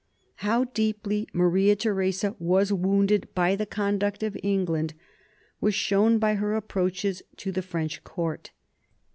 How deeply Maria Theresa was wounded by the conduct of England was shown by her approaches to the French court.